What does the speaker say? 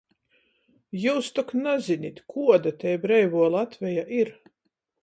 Jius tok nazinit, kuoda tei breivuo Latveja ir.